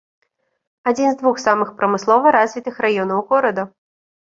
Адзін з двух самых прамыслова развітых раёнаў горада.